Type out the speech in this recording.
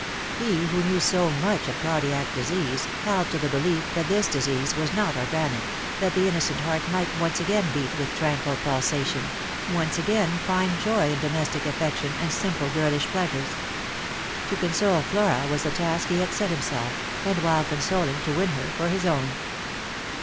He who knew so much of cardiac disease held to the belief that this disease was not organic, that the innocent heart might once again beat with tranquil pulsation, once again find joy in domestic affection and simple girlish pleasures. To console Flora was the task he had set himself, and while consoling to win her for his own.